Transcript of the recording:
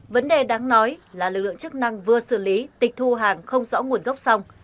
vấn đề đáng nói là lực lượng chức năng vừa xử lý tịch thu hàng không rõ nguồn gốc xong